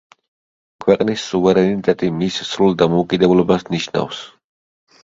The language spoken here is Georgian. ქვეყნის სუვერენიტეტი მის სრულ დამოუკიდებლობას ნიშნავს.